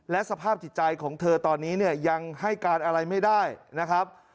และสภาพจิตใจของเธอตอนนี้เนี่ยยังให้การอะไรไม่ได้นะครับ